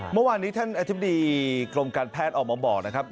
เมื่อวานนี้ท่านอธิบดีกรมการแพทย์ออกมาบอกนะครับ